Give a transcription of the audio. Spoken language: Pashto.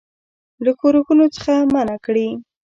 له ښورښونو څخه منع کړي.